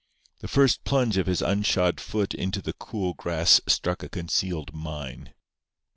The first plunge of his unshod foot into the cool grass struck a concealed mine.